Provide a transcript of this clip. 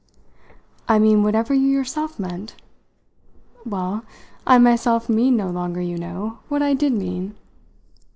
'" "I mean whatever you yourself meant." "Well, I myself mean no longer, you know, what I did mean."